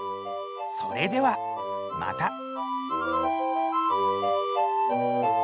それではまた。